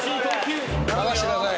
任せてください。